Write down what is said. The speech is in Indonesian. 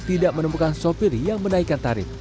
tidak menemukan sopir yang menaikkan tarif